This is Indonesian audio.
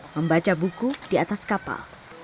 membaca buku di atas kapal